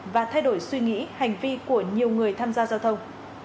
và thay đổi suy nghĩ hành vi của nhiều người tham gia giao thông